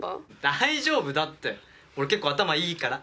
大丈夫だって俺結構頭いいから。